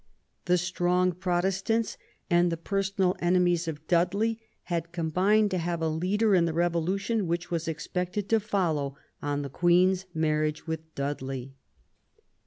The strong Protestants and the personal enemies of Dudley had combined to have a leader in the revolution which was expected to follow on the Queen*s marriage with Dudley.